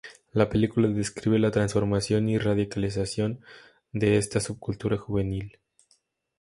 La película describe la transformación y radicalización de esta subcultura juvenil.